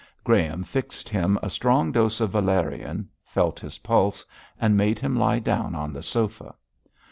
Graham mixed him a strong dose of valerian, felt his pulse, and made him lie down on the sofa.